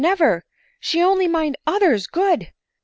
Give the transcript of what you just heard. never — she only mind others' good.